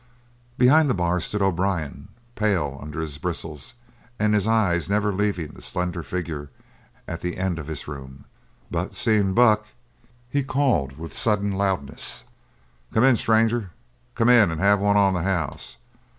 Behind the bar stood O'Brien, pale under his bristles, and his eyes never leaving the slender figure at the end of his room; but seeing Buck he called with sudden loudness: "Come in, stranger. Come in and have one on the house.